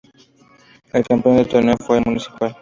El campeón del torneo fue el Municipal.